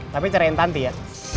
tapi cerain tanti ya